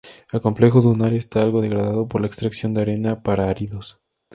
El complejo dunar está algo degradado por la extracción de arena para áridos.